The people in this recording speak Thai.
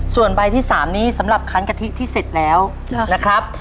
ส่วนใบที่๓นี้สำหรับคันกะทิที่เสร็จแล้วนะครับ